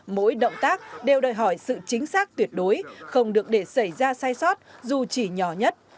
mỗi động tác đều đòi hỏi sự chính xác tuyệt đối không được để xảy ra sai sót dù chỉ nhỏ nhất